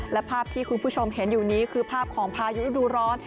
และภาพที่คุณผู้ชมเห็นอยู่นี้คือภาพของพายุฤดูร้อน